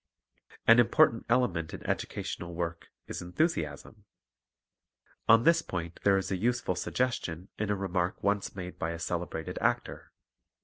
An important element in educational work is enthu siasm. On this point there is a useful suggestion in a remark once made by a celebrated actor.